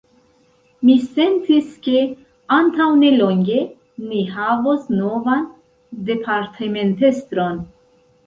Mi sentis ke, antaŭnelonge, ni havos novan departementestron.